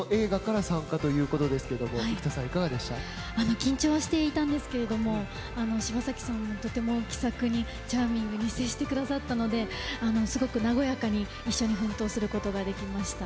緊張していたんですが柴咲さんも、とても気さくにチャーミングに接してくださったのですごく和やかに一緒に奮闘することができました。